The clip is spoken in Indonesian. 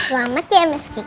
selamat ya miss kiki